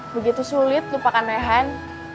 begitu sulit lupakan rehan